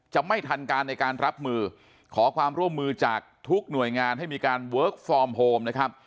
จะไม่ทันการในการรับมือขอความร่วมมือจากทุกหน่วยงานให้มีการเวิร์คฟอร์มโฮมนะครับ